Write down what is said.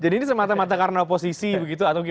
jadi ini semata mata karena oposisi begitu atau gimana